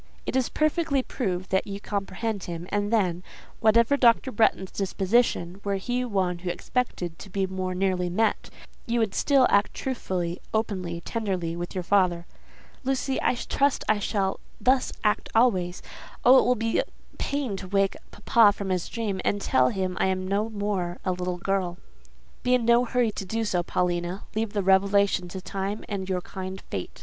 "It is perfectly proved that you comprehend him, and then—whatever Dr. Bretton's disposition, were he one who expected to be more nearly met—you would still act truthfully, openly, tenderly, with your father." "Lucy, I trust I shall thus act always. Oh, it will be pain to wake papa from his dream, and tell him I am no more a little girl!" "Be in no hurry to do so, Paulina. Leave the revelation to Time and your kind Fate.